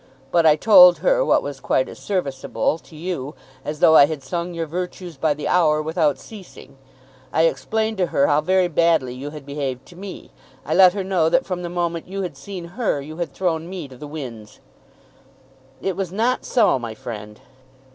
But I told her what was quite as serviceable to you as though I had sung your virtues by the hour without ceasing. I explained to her how very badly you had behaved to me. I let her know that from the moment you had seen her, you had thrown me to the winds." "It was not so, my friend."